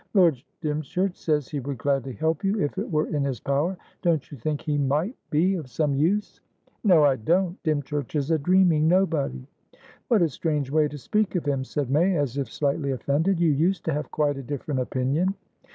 "Lord Dymchurch says he would gladly help you, if it were in his power. Don't you think he might be of some use?" "No, I don't. Dymchurch is a dreaming nobody." "What a strange way to speak of him!" said May, as if slightly offended. "You used to have quite a different opinion."